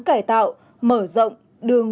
cải tạo mở rộng đường